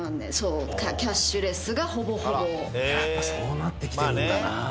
やっぱそうなってきてるんだな。